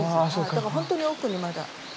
だからほんとに奥にまだ。